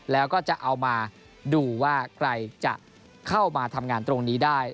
แล้วก็จะเอามาดูว่าใครจะเข้ามาทำงานตรงนี้ได้